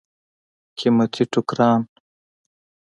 قیمتي ټوکران.